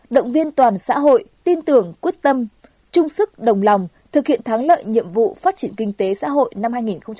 động viên toàn xã hội tin tưởng quyết tâm chung sức đồng lòng thực hiện thắng lợi nhiệm vụ phát triển kinh tế xã hội năm hai nghìn hai mươi